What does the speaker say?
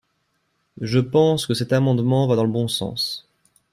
Je pense que cet amendement va dans le bon sens.